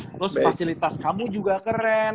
terus fasilitas kamu juga keren